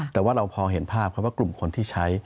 แต่ว่าเราพอเห็นภาพครับว่ากลุ่มคนที่ใช้